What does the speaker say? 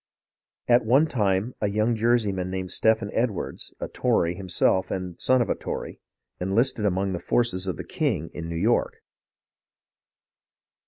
At one time a young Jerseyman named Stephen Ed wards, a Tory himself and the son of a Tory, enlisted among the forces of the king in New York.